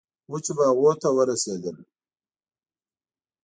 وچو باغونو ته ورسېدل.